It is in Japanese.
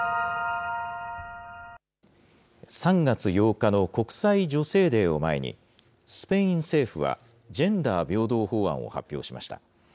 ３月８日の国際女性デーを前に、スペイン政府は、ジェンダー平等法案を発表しました。